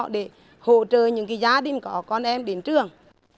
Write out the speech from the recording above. để hỗ trợ những gia đình có con em đến trường